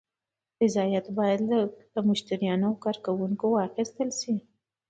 رضایت باید له مشتریانو او کارکوونکو واخیستل شي.